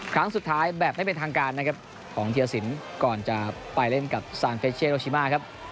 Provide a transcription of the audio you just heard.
ครั้งสุดท้ายแบบไม่เป็นทางการนะครับของเทียสินก่อนจะไปเล่นกับซานเฟชเช่โรชิมาครับ